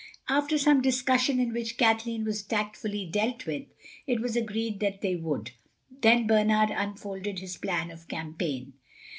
After some discussion, in which Kathleen was tactfully dealt with, it was agreed that they would. Then Bernard unfolded his plan of campaign.